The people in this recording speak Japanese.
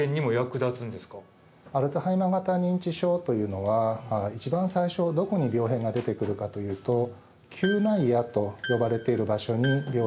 アルツハイマー型認知症というのは一番最初どこに病変が出てくるかというと嗅内野と呼ばれている場所に病変が出てきます。